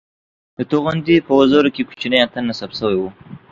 د توغندي په وزرو کې کوچنی انتن نصب شوی وو